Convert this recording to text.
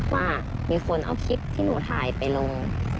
ว่ามีคนเอาคลิปที่หนูถ่ายไปลง